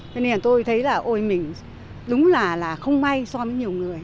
cho nên là tôi thấy là ôi mình đúng là không may so với nhiều người